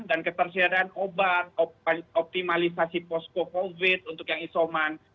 dan ketersediaan obat optimalisasi post covid untuk yang isoman